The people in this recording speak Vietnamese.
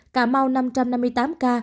cà mau năm năm mươi tám ca